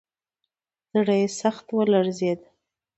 زړه یې سخت ولړزېد.